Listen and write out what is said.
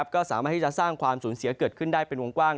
ก็สามารถที่จะสร้างความสูญเสียเกิดขึ้นได้เป็นวงกว้าง